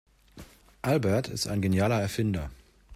Albert ist ein genialer Erfinder.